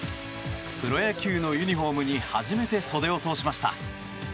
プロ野球のユニホームに初めて袖を通しました。